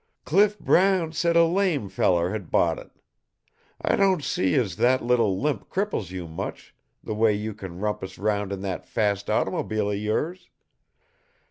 "Cliff Brown said a lame feller had bought it. I don't see as that little limp cripples you much, the way you can rampus 'round in that fast automobile of yours!